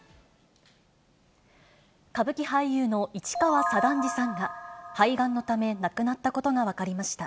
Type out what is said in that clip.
歌舞伎俳優の市川左團次さんが、肺がんのため亡くなったことが分かりました。